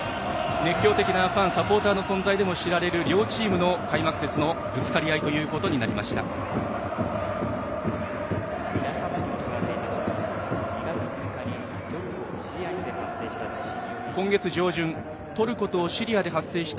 熱狂的なファンサポーターの存在でも知られる両チームの開幕節のぶつかり合いとなりました。